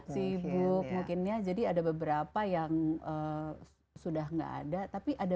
sibuk mungkin ya jadi ada beberapa yang sudah nggak ada tapi ada